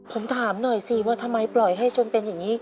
ผมถามหน่อยสิว่าทำไมปล่อยให้จนเป็นอย่างนี้